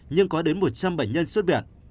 nhưng có đến một trăm linh bệnh nhân xuất biệt